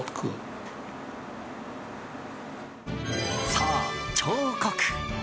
そう、彫刻！